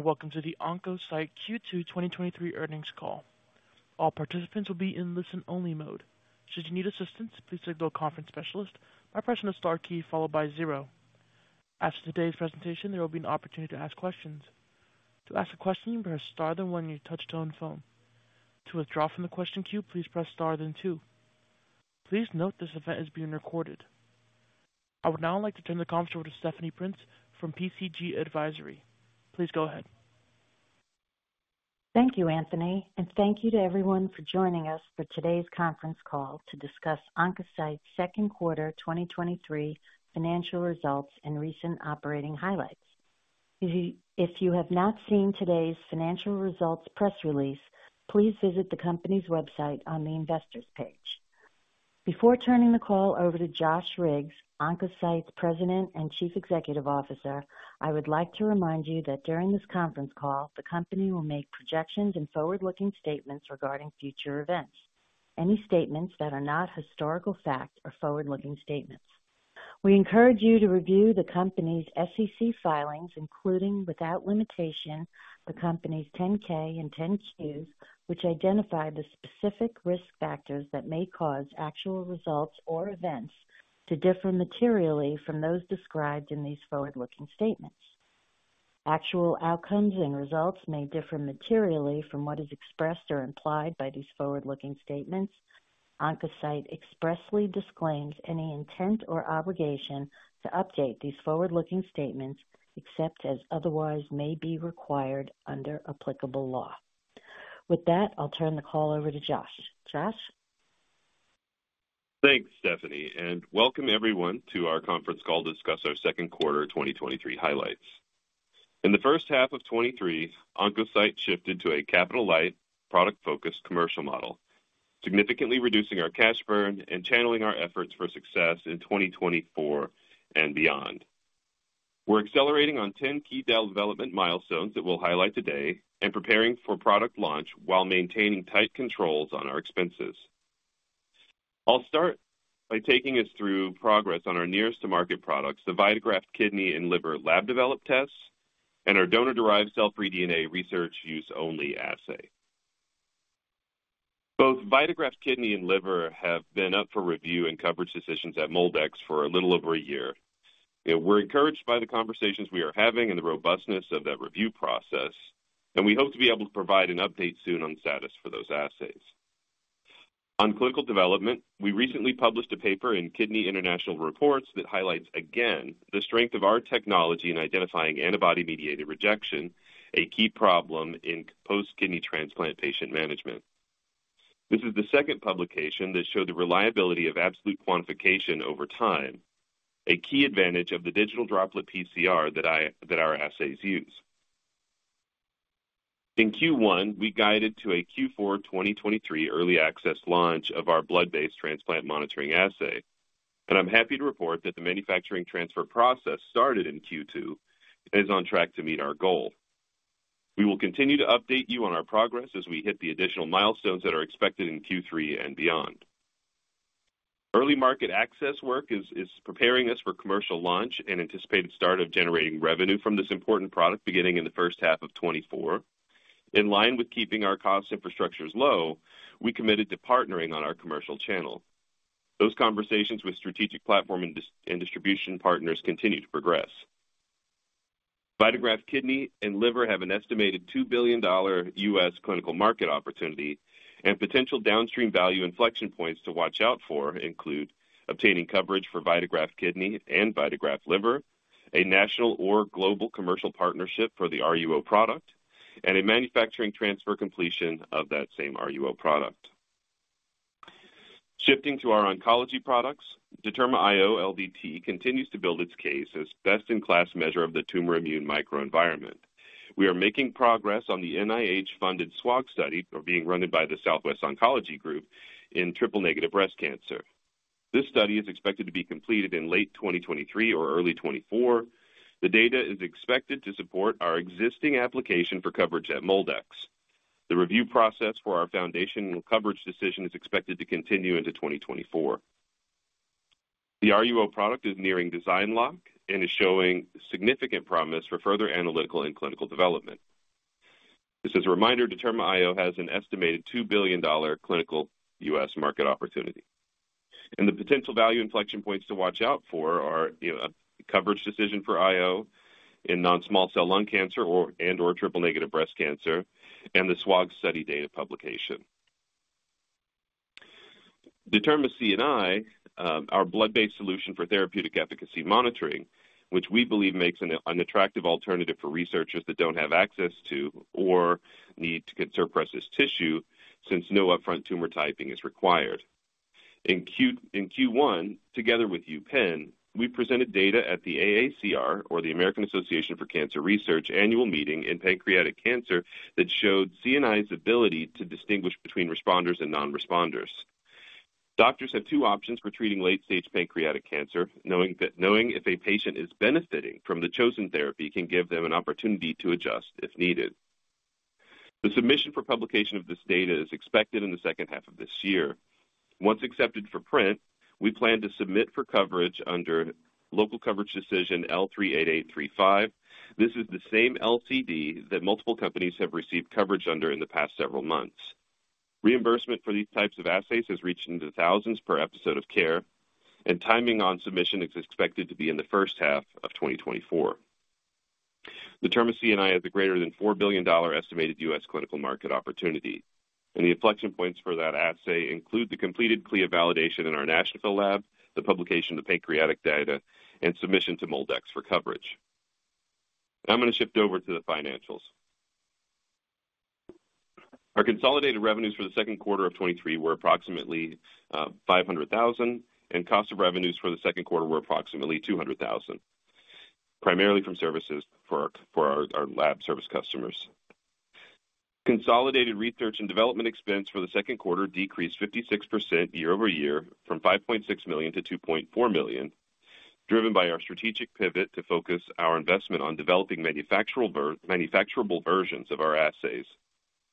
Welcome to the OncoCyte Q2 2023 earnings call. All participants will be in listen-only mode. Should you need assistance, please signal a conference specialist by pressing the star key, followed by 0. After today's presentation, there will be an opportunity to ask questions. To ask a question, press star, then 1 your touchtone phone. To withdraw from the question queue, please press star then 2. Please note this event is being recorded. I would now like to turn the conference over to Stephanie Prince from PCG Advisory. Please go ahead. Thank you, Anthony, Thank you to everyone for joining us for today's conference call to discuss Oncocyte's second quarter 2023 financial results and recent operating highlights. If you have not seen today's financial results press release, please visit the company's website on the investors page. Before turning the call over to Josh Riggs, Oncocyte's President and Chief Executive Officer, I would like to remind you that during this conference call, the company will make projections and forward-looking statements regarding future events. Any statements that are not historical fact are forward-looking statements. We encourage you to review the Company's SEC filings, including without limitation, the company's 10-K and 10-Qs, which identify the specific risk factors that may cause actual results or events to differ materially from those described in these forward-looking statements. Actual outcomes and results may differ materially from what is expressed or implied by these forward-looking statements. OncoCyte expressly disclaims any intent or obligation to update these forward-looking statements, except as otherwise may be required under applicable law. With that, I'll turn the call over to Josh. Josh? Thanks, Stephanie. Welcome everyone to our conference call to discuss our second quarter 2023 highlights. In the first half of 2023, OncoCyte shifted to a capital-light, product-focused commercial model, significantly reducing our cash burn and channeling our efforts for success in 2024 and beyond. We're accelerating on 10 key development milestones that we'll highlight today and preparing for product launch while maintaining tight controls on our expenses. I'll start by taking us through progress on our nearest to market products, the VitaGraft Kidney and Liver lab developed tests, and our donor-derived cell-free DNA research use only assay. Both VitaGraft Kidney and Liver have been up for review and coverage decisions at MolDX for a little over a year. We're encouraged by the conversations we are having and the robustness of that review process. We hope to be able to provide an update soon on status for those assays. On clinical development, we recently published a paper in Kidney International Reports that highlights again, the strength of our technology in identifying antibody-mediated rejection, a key problem in post-kidney transplant patient management. This is the second publication that showed the reliability of absolute quantification over time, a key advantage of the Droplet Digital PCR that our assays use. In Q1, we guided to a Q4 2023 early access launch of our blood-based transplant monitoring assay. I'm happy to report that the manufacturing transfer process started in Q2 and is on track to meet our goal. We will continue to update you on our progress as we hit the additional milestones that are expected in Q3 and beyond. Early market access work is preparing us for commercial launch and anticipated start of generating revenue from this important product beginning in the first half of 2024. In line with keeping our cost infrastructures low, we committed to partnering on our commercial channel. Those conversations with strategic platform and distribution partners continue to progress. VitaGraft Kidney and VitaGraft Liver have an estimated $2 billion US clinical market opportunity and potential downstream value inflection points to watch out for include: obtaining coverage for VitaGraft Kidney and VitaGraft Liver, a national or global commercial partnership for the RUO product, and a manufacturing transfer completion of that same RUO product. Shifting to our oncology products, DetermaIO LDT continues to build its case as best-in-class measure of the tumor immune microenvironment. We are making progress on the NIH-funded SWOG study, being run by the Southwest Oncology Group in triple-negative breast cancer. This study is expected to be completed in late 2023 or early 2024. The data is expected to support our existing application for coverage at MolDX. The review process for our foundational coverage decision is expected to continue into 2024. The RUO product is nearing design lock and is showing significant promise for further analytical and clinical development. Just as a reminder, DetermaIO has an estimated $2 billion clinical U.S. market opportunity, and the potential value inflection points to watch out for are a coverage decision for IO in non-small cell lung cancer or, and/or triple-negative breast cancer, and the SWOG study data publication. DetermaCNI, our blood-based solution for therapeutic efficacy monitoring, which we believe makes an attractive alternative for researchers that don't have access to or need to get surplus tissue, since no upfront tumor typing is required. In Q1, together with UPenn, we presented data at the AACR or the American Association for Cancer Research Annual Meeting in pancreatic cancer, that showed CNI's ability to distinguish between responders and non-responders. Doctors have two options for treating late-stage pancreatic cancer. Knowing if a patient is benefiting from the chosen therapy, can give them an opportunity to adjust if needed. The submission for publication of this data is expected in the second half of this year. Once accepted for print, we plan to submit for coverage under Local Coverage Determination L38835. This is the same LCD that multiple companies have received coverage under in the past several months. Reimbursement for these types of assays has reached into the thousands per episode of care. Timing on submission is expected to be in the first half of 2024. The DetermaCNI has a greater than $4 billion estimated US clinical market opportunity, and the inflection points for that assay include the completed CLIA validation in our Nashville lab, the publication of the pancreatic data, and submission to MolDX for coverage. I'm going to shift over to the financials. Our consolidated revenues for the second quarter of 2023 were approximately $500,000, and cost of revenues for the second quarter were approximately $200,000, primarily from services for our, for our lab service customers. Consolidated research and development expense for the second quarter decreased 56% year-over-year from $5.6 million to $2.4 million, driven by our strategic pivot to focus our investment on developing manufacturable versions of our assays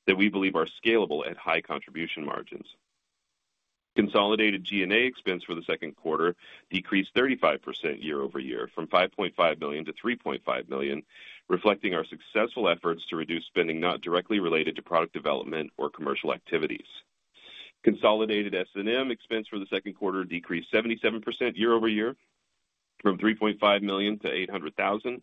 that we believe are scalable at high contribution margins. Consolidated G&A expense for the second quarter decreased 35% year-over-year from $5.5 million to $3.5 million, reflecting our successful efforts to reduce spending not directly related to product development or commercial activities. Consolidated S&M expense for the second quarter decreased 77% year-over-year from $3.5 million to $800,000.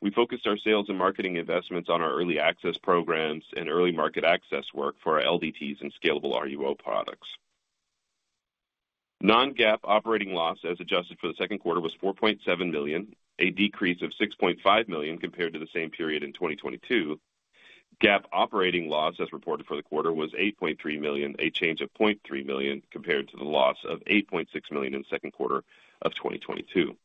We focused our sales and marketing investments on our early access programs and early market access work for our LDTs and scalable RUO products. Non-GAAP operating loss as adjusted for the second quarter, was $4.7 million, a decrease of $6.5 million compared to the same period in 2022. GAAP operating loss, as reported for the quarter, was $8.3 million, a change of $0.3 million compared to the loss of $8.6 million in the second quarter of 2022.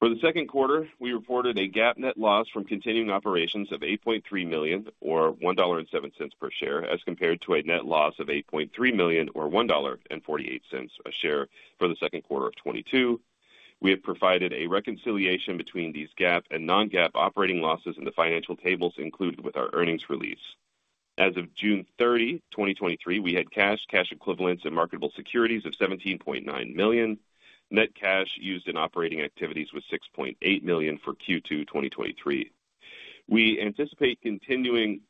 For the second quarter, we reported a GAAP net loss from continuing operations of $8.3 million, or $1.07 per share, as compared to a net loss of $8.3 million, or $1.48 a share for the second quarter of 2022. We have provided a reconciliation between these GAAP and non-GAAP operating losses in the financial tables included with our earnings release. As of June 30, 2023, we had cash, cash equivalents and marketable securities of $17.9 million. Net cash used in operating activities was $6.8 million for Q2 2023. We anticipate continuing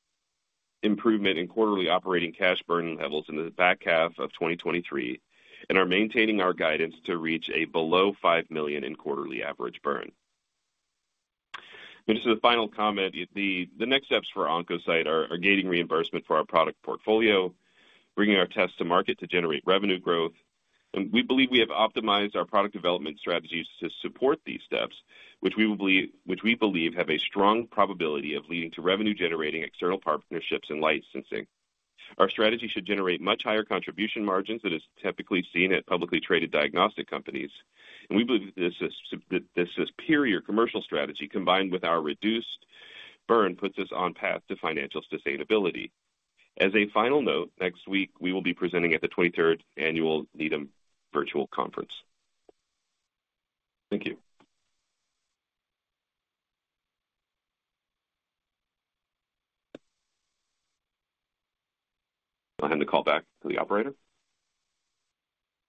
improvement in quarterly operating cash burning levels in the back half of 2023 and are maintaining our guidance to reach a below $5 million in quarterly average burn. Just a final comment, the next steps for OncoCyte are gaining reimbursement for our product portfolio, bringing our tests to market to generate revenue growth, and we believe we have optimized our product development strategies to support these steps, which we believe have a strong probability of leading to revenue, generating external partnerships and licensing. Our strategy should generate much higher contribution margins than is typically seen at publicly traded diagnostic companies. We believe that this, this superior commercial strategy, combined with our reduced burn, puts us on path to financial sustainability. As a final note, next week we will be presenting at the 23rd Annual Needham Virtual Conference. Thank you. I'll hand the call back to the operator.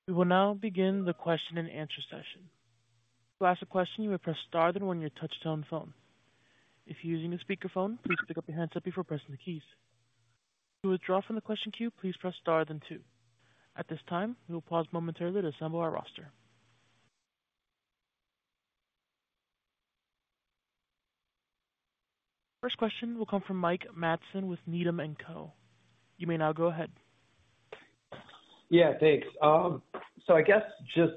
We will now begin the question and answer session. To ask a question, you would press star then 1 your touch tone phone. If you're using a speakerphone, please pick up your handset before pressing the keys. To withdraw from the question queue, please press star then 2. At this time, we will pause momentarily to assemble our roster. First question will come from Mike Matson with Needham & Company. You may now go ahead. Yeah, thanks. I guess just,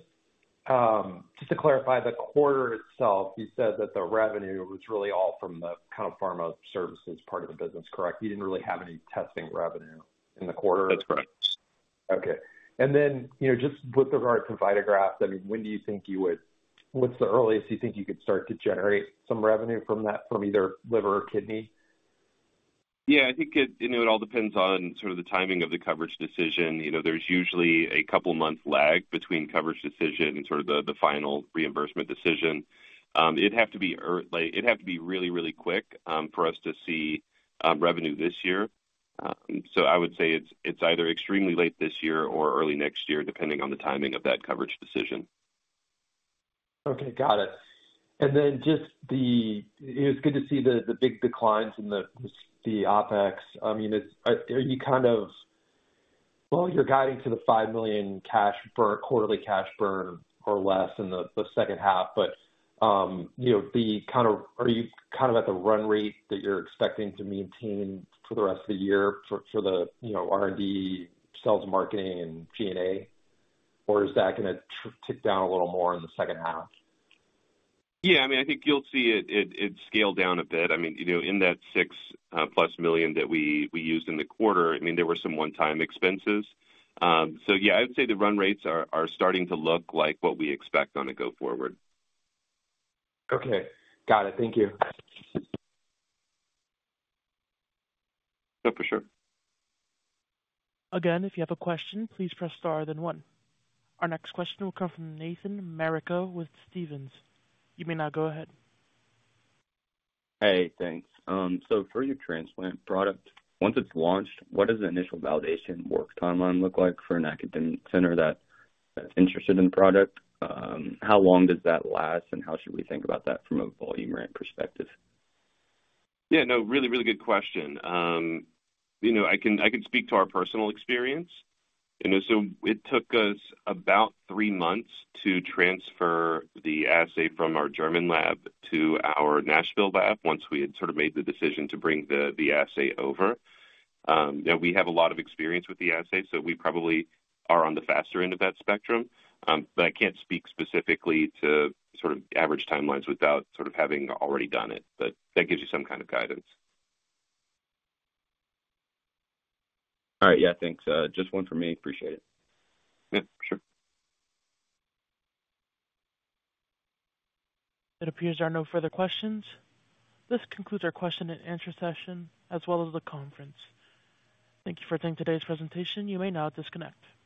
just to clarify the quarter itself, you said that the revenue was really all from the kind of pharma services part of the business, correct? You didn't really have any testing revenue in the quarter? That's correct. Okay. Then, you know, just with regards to VitaGraft, I mean, when do you think you would-- what's the earliest you think you could start to generate some revenue from that, from either liver or kidney? Yeah, I think it, you know, it all depends on sort of the timing of the coverage decision. You know, there's usually a couple month lag between coverage decision and sort of the, the final reimbursement decision. It'd have to be really, really quick, for us to see revenue this year. I would say it's, it's either extremely late this year or early next year, depending on the timing of that coverage decision. Okay, got it. It was good to see the, the big declines in the, the OpEx. I mean, it's, are you kind of, well, you're guiding to the $5 million cash burn, quarterly cash burn or less in the second half. You know, are you kind of at the run rate that you're expecting to maintain for the rest of the year for, for the, you know, R&D, sales, marketing and G&A, or is that going to tick down a little more in the second half? Yeah, I mean, I think you'll see it, it, it scale down a bit. I mean, you know, in that $6+ million that we, we used in the quarter, I mean, there were some one-time expenses. Yeah, I would say the run rates are, are starting to look like what we expect on a go forward. Okay, got it. Thank you. Yeah, for sure. Again, if you have a question, please press star, then one. Our next question will come from Nathan Marco with Stephens. You may now go ahead. Hey, thanks. For your transplant product, once it's launched, what does the initial validation work timeline look like for an academic center that, that's interested in the product? How long does that last, and how should we think about that from a volume ramp perspective? Yeah, no, really, really good question. You know, I can, I can speak to our personal experience. You know, it took us about 3 months to transfer the assay from our German lab to our Nashville lab once we had sort of made the decision to bring the, the assay over. You know, we have a lot of experience with the assay, so we probably are on the faster end of that spectrum. I can't speak specifically to sort of average timelines without sort of having already done it. That gives you some kind of guidance. Right. Yeah, thanks. Just one for me. Appreciate it. Yep, sure. It appears there are no further questions. This concludes our question and answer session as well as the conference. Thank you for attending today's presentation. You may now disconnect.